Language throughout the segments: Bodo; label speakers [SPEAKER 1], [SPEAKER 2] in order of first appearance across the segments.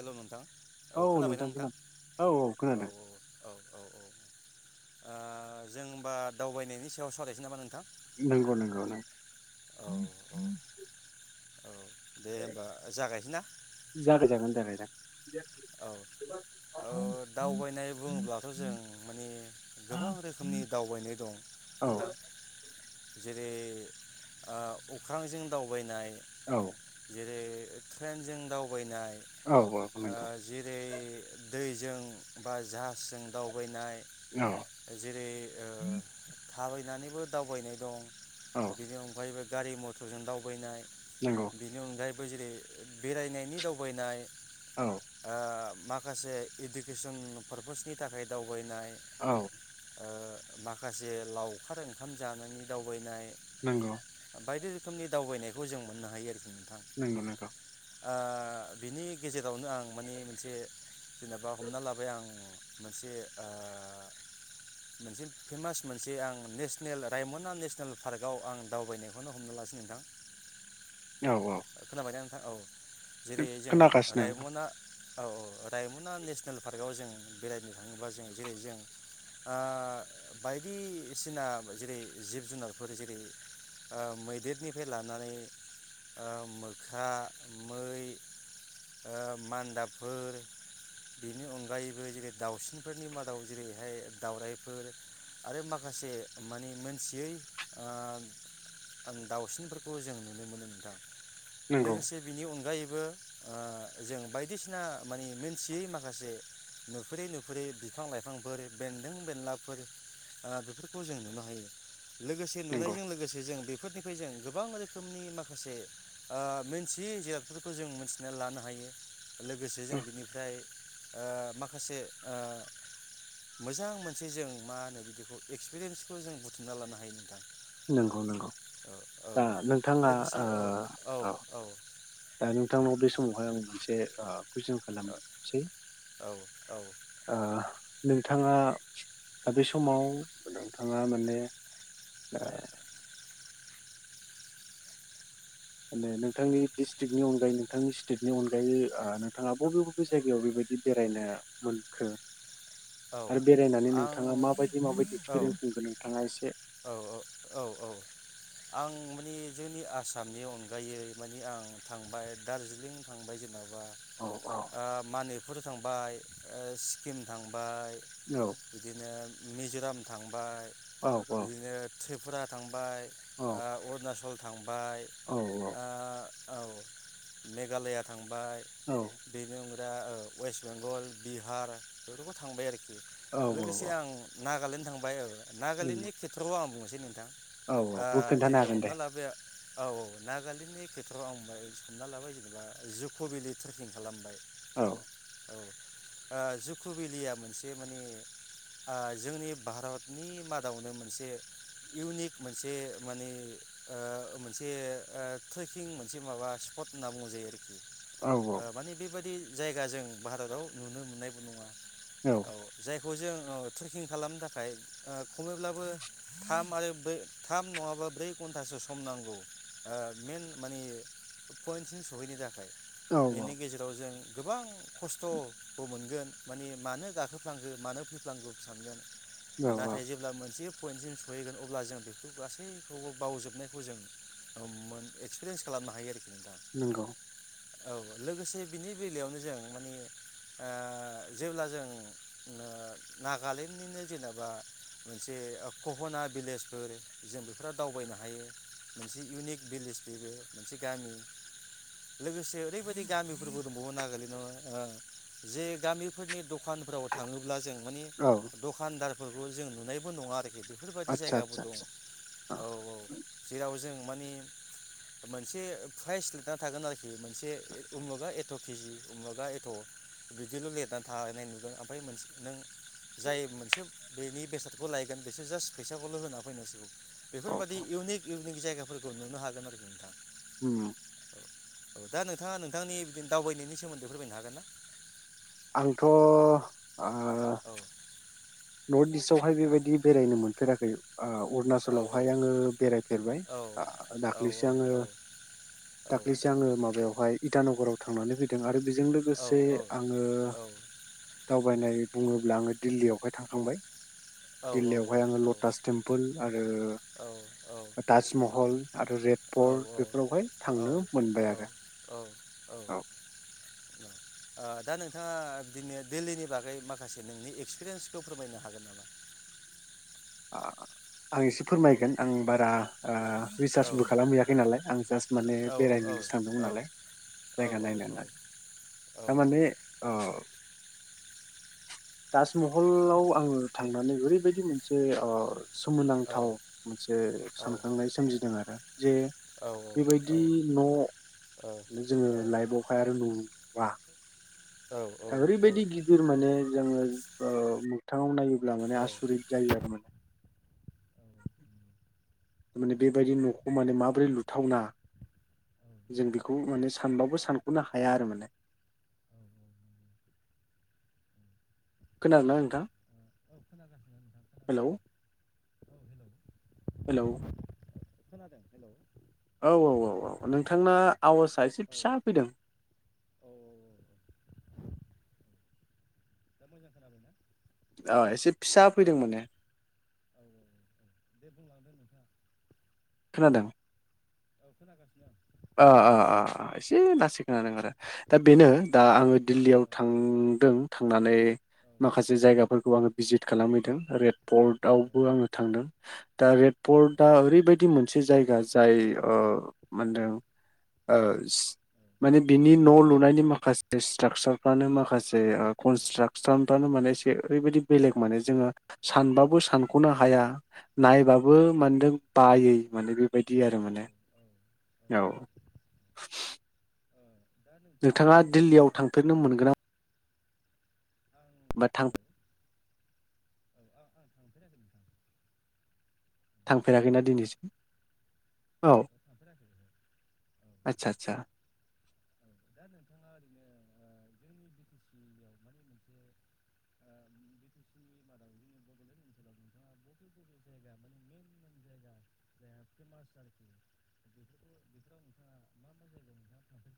[SPEAKER 1] हेलौ नोंथां औ खोनाबाय ना नोंथां औ औ औ औ औ आ जों बा दावबायनायनि सायाव सावरायसै नामा नोंथां
[SPEAKER 2] नंगौ नंगौ नं
[SPEAKER 1] औ औ औ दे होनबा जागायसै ना
[SPEAKER 2] [unintelligible]
[SPEAKER 1] औ औ दावबायनाय बुंङोब्लाथ जों माने गोबां रोखोमनि दावबायनाय दं
[SPEAKER 2] औ
[SPEAKER 1] नोंथां जे- रै अख्रांजों दावबायनाय
[SPEAKER 2] औ
[SPEAKER 1] जेरै ट्रेनजों दावबायनाय
[SPEAKER 2] औ औ
[SPEAKER 1] ओ
[SPEAKER 2] नंगौ
[SPEAKER 1] जेरै दैजों बा जाहाजजों दावबायनाय
[SPEAKER 2] औ
[SPEAKER 1] जेरै आ थाबा- यनानैबो दावबायनाय दं
[SPEAKER 2] औ
[SPEAKER 1] बिनि अनगायैबो गारि मथरजों दावबायनाय
[SPEAKER 2] नंगौ
[SPEAKER 1] बिनि अनगायै बो जेरै बेरायनायनि दावबायनाय
[SPEAKER 2] औ
[SPEAKER 1] आ माखासे इडुकेसन पारपासनि थाखाय दावबायनाय
[SPEAKER 2] औ।
[SPEAKER 1] आ माखासे लावखार ओंखाम जानायनि दावबायनाय
[SPEAKER 2] नोंगौ।
[SPEAKER 1] बायदि रोखोमनि दावबायनायखौ जों मोननो हायो आरोखि।
[SPEAKER 2] नोंगौ नोंगौ।
[SPEAKER 1] आ बिनि गेजेरावनो आं माने मोनसे जेनेबा हमना लाबाय आं मोनसे आ मोनसे फेमास मोनसे आं नेसनेल रायमना नेसनेल पार्कआव आं दावबायनायखौनो हमना लासै नोंथां।
[SPEAKER 2] औ औ
[SPEAKER 1] खोनाबायना औ। जेरै जों
[SPEAKER 2] खोनागासिनो
[SPEAKER 1] रायमना औ औ रायमना नेसनेल पार्कआव जों बेरायनो थाङोबा जों जेरै जों आ बायदिसिना जेरै जिब जुनारफोर जेरै आ मैदेरनिफ्राय लानानै ओ मोख्रा मै ओ मान दाबफोर बेनि अनगायैबो जेरै दाावसिनफोरनि मादाव जेरैहाय दाावरायाइफोर आरो माखासे मानि मोनथियै आ दाावसिनफोरखौ जों नुनो मोनो नोंथां।
[SPEAKER 2] नंगौ
[SPEAKER 1] लोगोसे बिनि अनगायै बो ओ जों बाय बायदिसिना मानि मोनथियै माखासे नुफेरै नुफेरै बिफां लाइफांफोर बेन्दों बेनलाफोर आ बेफोरखौ जों नुनो हायो। लोगोसे
[SPEAKER 2] नंगौ
[SPEAKER 1] नुनायजों लोगोसे जों बेफोरनि जों गोबां रोखोमनि माखासे ओ मोनथियै जिरादफोरखौ जों मोनथिनानै लानो हायो। लोगोसे जों बिनिफ्राय ओ माखासे ओ मोजां मोनसे जों मा होनो बिदिखौ एक्सपिरेन्सखौ जों बुथुमना लानो हायो नोंथां।
[SPEAKER 2] नोंगौ नोंगौ।
[SPEAKER 1] औ औ
[SPEAKER 2] दा नोंथाङा ओ औ। ओ नोंथांनाव बे समावहाय आं मोनसे ओ कुइसन खालामनोसै
[SPEAKER 1] औ औ
[SPEAKER 2] ओ नों नोंथाङा दा बे समाव नोंथाङा माने ओ
[SPEAKER 1] औ।
[SPEAKER 2] माने नोंथांनि डिस्ट्रिक्टनि अनगायै नोंथांनि स्टेटनि अनगायै ओ नोंथाङा बबे बबे जायगायाव बेबायदि बेरायनो मोनखो?
[SPEAKER 1] औ
[SPEAKER 2] आरो बेरायनानै
[SPEAKER 1] आं
[SPEAKER 2] नोंथाङा माबायदि माबायदि
[SPEAKER 1] औ
[SPEAKER 2] एक्सपिरियेन्स मोनगोन नोंथाङा एसे
[SPEAKER 1] औ औ औ औ आं नि जोंनि आसामनि अनगायै माने आं थांबाय दार्जिलिं थांबाय जोंनाव ओ
[SPEAKER 2] औ औ
[SPEAKER 1] ओ मानेपुर थां बाय ओ स्किम थां बाय
[SPEAKER 2] औ
[SPEAKER 1] बिदिनो मिज'राम थांबाय।
[SPEAKER 2] औ
[SPEAKER 1] बिदिनो त्रिपुरा थां बाय ओ अरुणाचल थां
[SPEAKER 2] औ औ
[SPEAKER 1] औ मेघालया थांब बाय
[SPEAKER 2] औ
[SPEAKER 1] बेनि अनगा दा ओ वेस्ट बेंगल बिहार बेबो थांबाय आरोखि
[SPEAKER 2] औ
[SPEAKER 1] लोगोसे
[SPEAKER 2] औ औ
[SPEAKER 1] आं नागालेण्ड थांबाय ओ
[SPEAKER 2] नंगौ
[SPEAKER 1] नागालेण्डनि खेथ्रआव आं बुंनोसै नोंथां
[SPEAKER 2] औ औ
[SPEAKER 1] ओ
[SPEAKER 2] बे खोन्थानो
[SPEAKER 1] जेरै
[SPEAKER 2] हागोन दे
[SPEAKER 1] हमना लाबाय औ औ नागालेण्डनि खेथ्र'आव आं बाय सानना लाबाय जेनेबा जुक' भेलि ट्रेकिं खालामबाय
[SPEAKER 2] औ
[SPEAKER 1] औ ओ जु कुबिलिया मोनसे माने ओ जोंनि भारतनि मादावनो मोनसे इउनिक मोनसे माने ओ मोनसे ओ ट्रेकिं मोनसे माबा स्पट होनना बुङो जायो आरो। ओ‌
[SPEAKER 2] औ
[SPEAKER 1] माने बेबायदि जायगा जों भारताव नुनो मोननायबो नङा औ जाय बेखौ जों ओ ट्रेकिं खालामनो थाखाय ओ खमैब्लाबो थाम आरो ब्रै थाम नङाबा ब्रै घन्टासो सम नांगौ‌ ओ मेन माने पइन्टसिम सहैनो थाखाय
[SPEAKER 2] औ
[SPEAKER 1] बेनि गेजेराव जों गोबां खस्थबो मोनगोन माने मानो गाखोफ्लांखो मानो फैफ्लांखो सानगोन
[SPEAKER 2] औ औ
[SPEAKER 1] नाथाय जेब्ला मोनसेयो पइन्टसिम सहैगोन अब्ला जों बेफोर गासैखौबो बावजोबनायखौ जों मोन एक्सपिरियेन्स खालामनो हायो नोंथां
[SPEAKER 2] नंगौ
[SPEAKER 1] औ लोगोसे बिनि बेलायावनो जों माने ओ जेब्ला जों ओ नागालेण्डनिनो जेनेबा मोनसे कहना भिलेजफोर जों बेफोराव दावबायनो हायो मोनसे इउनिक भिलेज बेबो मोनसे गामि लोगोसे ओरैबायदि गामिफोरबो दंबावो नागालेण्डआवनो ओ जे गामि फोरनि दग दखानफोराव थाङोब्ला जों माने
[SPEAKER 2] औ
[SPEAKER 1] दखानदार फोरखौ जों नुनायबो नङा आरोखि बेफोरबादि
[SPEAKER 2] आदसा
[SPEAKER 1] जायगाबो
[SPEAKER 2] आदसा
[SPEAKER 1] दं
[SPEAKER 2] आदसा
[SPEAKER 1] औ औ जेराव जोंङो माने मोनसे प्राइज लिरना थागोन आरोखि बे मोनसे उ मुगा एद एथकेजि बुङोबा एथ बिदिल लिरनानै थाहैनाय नुगोन ओमफ्राय मोनसे नों जाय मोनसे बेनि बेसादखौ लायगोन बेसोर जास्ट फैसाखौल होना फैनांसिगौ बेफोरबायादि
[SPEAKER 2] औ
[SPEAKER 1] इउनिक इउनिक जायगाफोरखौ नुनो हागोन आरोखि नोंथां
[SPEAKER 2] होम
[SPEAKER 1] दा नोंथाङा नोंथांनि बि दावबायनायनि सोमोन्दै फोरमायनो हागोन ना
[SPEAKER 2] आंथ आ
[SPEAKER 1] औ
[SPEAKER 2] नर्थ इस्टआवहाय बेबायदि बेरायनो मोनफेराखै ओ
[SPEAKER 1] औ
[SPEAKER 2] अरुणाचलावहाय आंङो बेरायफेरबाय‌
[SPEAKER 1] औ
[SPEAKER 2] आ
[SPEAKER 1] औ
[SPEAKER 2] दाखलिसो आंङो
[SPEAKER 1] औ औ
[SPEAKER 2] दाखलिसो आंङो माबायावहाय इटानगराव थांनानै फैदों बे बेजों
[SPEAKER 1] औ
[SPEAKER 2] लोगोसे
[SPEAKER 1] औ
[SPEAKER 2] आंङो
[SPEAKER 1] औ
[SPEAKER 2] दावबायनाय बुङोब्ला आंङो दिल्लीयाव बेवहाय थांखांबाय
[SPEAKER 1] औ औ
[SPEAKER 2] दिल्लीयावहाय आंङो
[SPEAKER 1] औ
[SPEAKER 2] लटास टेम्पोल आरो ताजमहल आरो रेड
[SPEAKER 1] औ
[SPEAKER 2] पर्ट बेफोरावहाय थांनो मोनबाय आरो
[SPEAKER 1] [unintelligible] औ ओ
[SPEAKER 2] औ
[SPEAKER 1] दा नोंथाङा बिदिनो दिल्लीनि बागै माखासे नोंनि एक्सपिरियेन्सखौ फोरमायनो हागोन नामा
[SPEAKER 2] आआ आं एसे फोरमायगोन आं बारा ओ
[SPEAKER 1] औ
[SPEAKER 2] रिसार्चबो खालामहैयाखै नालाय आं जास्ट माने
[SPEAKER 1] औ औ
[SPEAKER 2] बेरायनोसो थांदोंमोन
[SPEAKER 1] औ
[SPEAKER 2] नालाय
[SPEAKER 1] औ
[SPEAKER 2] जायगा नायनो होननानै
[SPEAKER 1] औ
[SPEAKER 2] थारमाने ओ [inaudible] ताजमहलाव आंङो थांनानै ओरैबायदि मोनसे जे अ
[SPEAKER 1] औ
[SPEAKER 2] सोमोनांथाव मोनसे सानखांनाय सोमजिदों आरो जे बेबायदि न जोंङो लाइफआवहाय आरो नु बा
[SPEAKER 1] औ औ
[SPEAKER 2] ओरैबायदि गिदिर माने जोंङो ओ मोगथाङाव नायोब बा
[SPEAKER 1] औ
[SPEAKER 2] माने आसुरित जायो आरो माने। थारमाने बेबायदि नखौ माने माबोरै लुथावना जों बेखौ माने सानबाबो सानखनो हाया आरो माने [inaudible] खोनादों ना नोंथां?
[SPEAKER 1] खोनादों नोंथां
[SPEAKER 2] हेलौ
[SPEAKER 1] खोनादों।
[SPEAKER 2] हेलौ
[SPEAKER 1] हेलौ
[SPEAKER 2] औ औ औ औ नोंथांना आवाजआ एसे फिसा फैदों
[SPEAKER 1] दा मोजां खोनादों ना?
[SPEAKER 2] अ एसे फिसा फैदों माने
[SPEAKER 1] औ औ औ दे बुंलांदो नोंथाङा
[SPEAKER 2] खोनादों?
[SPEAKER 1] औ खोनादों
[SPEAKER 2] ओ ओ ओ एसे लासै खोनादों आरो दा बेनो दा आङो दिल्लीयाव थांदों थांनानै माखासे जायगाफोरखौ आंङो भिजिट खालामहैदों रेड पर्ट आवबो आंङो थांदों दा रेड प्रद ओरैबायदि मोन मोनसे जायगा जाय ओ मोनदों ओ सि माने बिनि न‌ लुनायनि माखासे स्ट्राकसारफ्रानो माखासे ओ कन्स्ट्राकसन फ्रानो माने ओरैबादि बेलेग माने सानबाबो सानखनो हाया नायबाबो माने बायै बायदि आरो माने औ नोंथाङा दिल्लीयाव थांफेरनो मोनगोना बा थां
[SPEAKER 1] अ थांफेराखै नोंथां
[SPEAKER 2] थांफेराखैना दिनैसिम औ आचसा आचसा
[SPEAKER 1] औ दा नोंथाङा ओरैनो जोंनि बि टि सिव मानिे मोनसे बि टि सि मादाव जोंनि बड'लेण्ड ओनसोलाव नोंथाङा बबे बबे जायगा मे मेन मेन जायगा जाय फेमास आरोखिाव नोंथाङा मा मा जायगायाव नोंथाङा थां [unintelligible]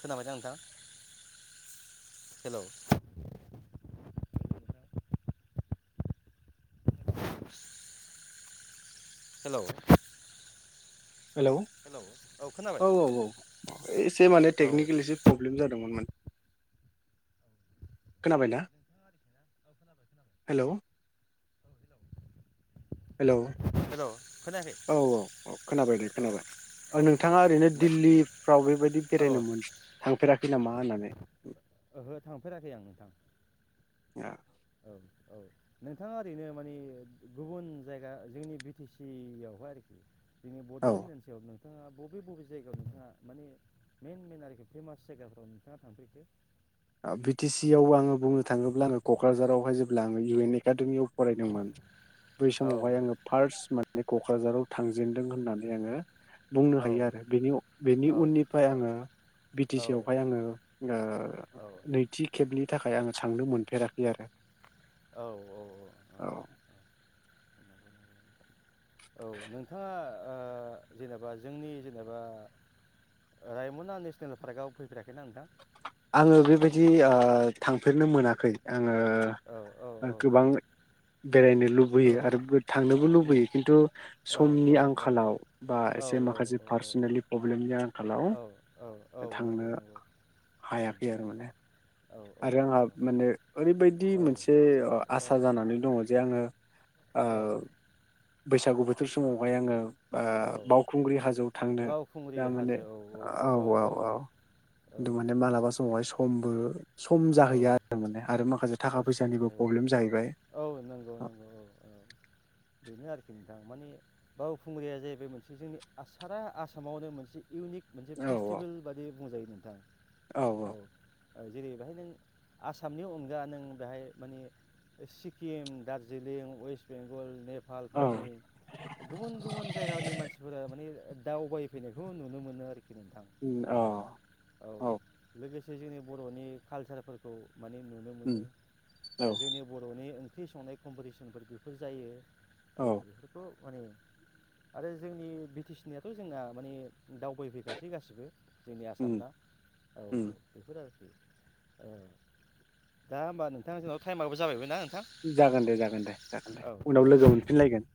[SPEAKER 1] खोनाबाय दां नोंथां हेलौ यश [inaudible] हेलौ
[SPEAKER 2] हेलौ औ औ औ एसे माने
[SPEAKER 1] औ
[SPEAKER 2] टेकनिकेल एसे प्रब्लेम जादोंमोन माने खोनाबायना
[SPEAKER 1] औ खोनाबाय
[SPEAKER 2] हेलौ
[SPEAKER 1] खोनाबाय
[SPEAKER 2] हेलौ
[SPEAKER 1] हेलौ खोनायाखै
[SPEAKER 2] औ औ औ खोनाबायदे
[SPEAKER 1] औ
[SPEAKER 2] खोनाबाय औ नोंथाङा ओरैनो दिल्लीफ्राव बेबायदि
[SPEAKER 1] औ
[SPEAKER 2] बेरायनो थांफेराखै नामा मा होननानै
[SPEAKER 1] ओंहो थांफेराखै आं नोंथां
[SPEAKER 2] औ
[SPEAKER 1] औ औ नोंथाङा ओरैनो मानि गुबुन जायगा जोंनि बि टि सिवहाय आरोखि जोंनि
[SPEAKER 2] औ
[SPEAKER 1] बडलेण्डओनसोलावबो नोंथाङा बबे बबे जायगायाव नोंथाङा माने मेन मेन आरिखि फेमास जायगाफ्राव नोंथाङा थांफेरखो
[SPEAKER 2] बि टि सि आव आङो बुंनो थाङोब्लाबो क'क्राझारावहाय जेब्ला आङो इउ एन एकाडेमियाव फरायदोंमोन बै
[SPEAKER 1] औ
[SPEAKER 2] समावहाय आङो फार्स्ट मोन बे क'क्राझाराव थांजेनदों होननानै आङो बुंनो
[SPEAKER 1] औ
[SPEAKER 2] हायो आरो बेनि बेनि
[SPEAKER 1] औ औ
[SPEAKER 2] उननिफ्राय आङो बि टि सि आवहाय आङो नैथि खेबनि नि थाखाय आङो सांनो मोनफेराखै आरो
[SPEAKER 1] औ औ औ औ औ नोंथाङा ओ जेनेबा जोंनि जेनेबा रायमना नेसनेल पार्कआव फैफेराखैना नोंथां
[SPEAKER 2] आङो बेबायदि ओ थांफेरनो मोनाखै आङो
[SPEAKER 1] औ औ औ
[SPEAKER 2] गोबां
[SPEAKER 1] औ
[SPEAKER 2] बेरायनो
[SPEAKER 1] औ
[SPEAKER 2] लुबैयो आरो थांनोबो
[SPEAKER 1] उम
[SPEAKER 2] लुबैयो खिन्थु
[SPEAKER 1] औ
[SPEAKER 2] समनि
[SPEAKER 1] औ औ
[SPEAKER 2] आंखालाव बा एसे
[SPEAKER 1] औ
[SPEAKER 2] माखासे पार्सनेलि प्रब्लेमनि आंखालाव
[SPEAKER 1] औ औ औ
[SPEAKER 2] थांनो
[SPEAKER 1] नंगौ नंगौ उम
[SPEAKER 2] हायाखै आरो माने
[SPEAKER 1] औ
[SPEAKER 2] आरो आंहा माने ओरैबायदि मोनसे
[SPEAKER 1] औ
[SPEAKER 2] आसा
[SPEAKER 1] औ
[SPEAKER 2] जानानै दङ जे आङो ओ
[SPEAKER 1] औ
[SPEAKER 2] बैसागु बोथोर समावहाय आङो ओ
[SPEAKER 1] औ
[SPEAKER 2] बावखुंग्रि हाजोआव थांनो
[SPEAKER 1] बावखुंग्रि
[SPEAKER 2] ओ माने
[SPEAKER 1] हाजो औ
[SPEAKER 2] औ औ औ
[SPEAKER 1] औ
[SPEAKER 2] दुनावनो मालाबा समावहाय खमबो सम
[SPEAKER 1] औ
[SPEAKER 2] जाहैया माने आरो माखासे थाखा
[SPEAKER 1] सम
[SPEAKER 2] फैसानिबो
[SPEAKER 1] जाया
[SPEAKER 2] प्रब्लेम
[SPEAKER 1] औ
[SPEAKER 2] जाहैबाय
[SPEAKER 1] औ नंगौ नंगौ औ औ बेनो आरोखि नोंथां माने बावखुंग्रिया जाहैबाय मोनसे जोंनि सारा आसामावनो मोनसे इउनिक मोनसे फेस्टिभेल बादि बुंजायो नोंथां
[SPEAKER 2] औ औ
[SPEAKER 1] जेरै बेहाय नों आसामनि अनगा नों बेहाय मानिे सिक्किम दार्जिलिं वेस्ट बेंगल नेप
[SPEAKER 2] औ
[SPEAKER 1] नेपालफोरनि गुबुन गुबुन जायगानि मानसिफोरा माने दावगाय फैनायखौ नुनो मोनो आरोखि नोंथां
[SPEAKER 2] औ
[SPEAKER 1] बाहाय औ लोगोसे बे जोंनि बर'नि कालसार फोरखौ माने नुनो ओ मोनो जोंनि बर'नि ओं ख्रि संनाय कम्पिटिसनफोर बेफोर जायो औ बेफोरथ' माने आरो जोंनि बिटिसिनियाथ' जोंना माने दावबायफैखासै गासिबो जोंनि आसामना औ औ बेफोर आरो [inaudible] ओ दा होमबा नोंथां जोंना टाइमाबो जाबायमोन दां
[SPEAKER 2] जागोन दे जागोन दे जागोन दे
[SPEAKER 1] औ
[SPEAKER 2] उनाव लोगो मोनफिनलायगोन